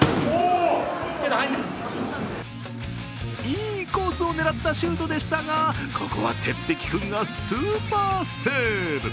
いいコースを狙ったシュートでしたが、ここは鉄壁君がスーパーセーブ。